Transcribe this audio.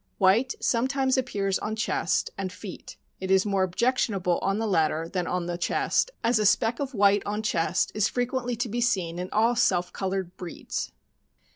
White sometimes appears on chest and feet; it is more objectionable on the latter than on the chest, as a speck of white on chest is frequently to be seen in all self colored breeds.